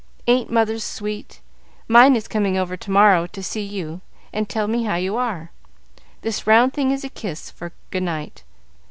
Ain't mothers sweet? Mine is coming over to morrow to see you and tell me how you are. This round thing is a kiss for good night.